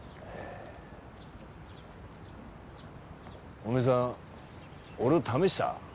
お前さん俺を試した？